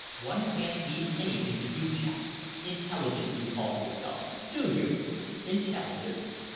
One can't leave anything to you chaps. Intelligent you call yourselves, do you? Intelligent!"